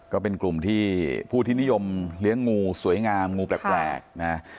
ก็เป็นกลุ่มที่ผู้ที่นิยมเลี้ยงงูสวยงามงูแปลกนะ